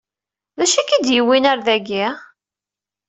D-acu i k-id yewwin ar d-agi?